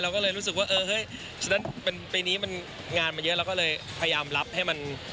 ก็เลยรู้สึกว่าเออเฮ้ยฉะนั้นปีนี้มันงานมาเยอะเราก็เลยพยายามรับให้มัน